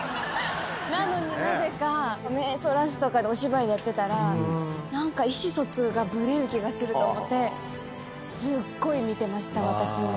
なのになぜか目そらしとかお芝居でやってたら何か意思疎通がブレる気がすると思ってすっごい見てました私も。